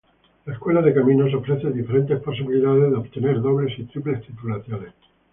La Escuela de Caminos ofrece diferentes posibilidades de obtener dobles y triples titulaciones.